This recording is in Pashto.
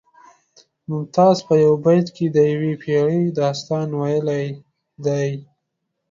ممتاز په یو بیت کې د یوې پیړۍ داستان ویلی دی